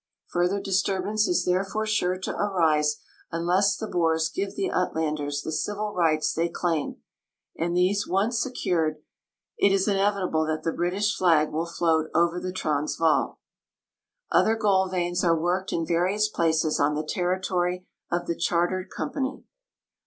Further disturbance is therefore sure to arise unless the Boers give the Uitlanders the civil rights they claim, and these once secured, it is inevitable that the British flag will float over the Transvaal. Other gold veins are worked in various places on the territory of the chartered company.